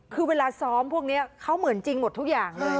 คือเวลาซ้อมพวกนี้เขาเหมือนจริงหมดทุกอย่างเลย